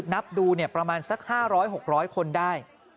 นับดูประมาณสัก๕๐๐๖๐๐คนได้